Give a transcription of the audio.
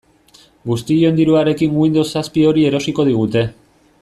Guztion diruarekin Windows zazpi hori erosiko digute.